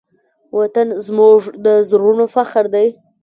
وطن زموږ د زړونو فخر دی.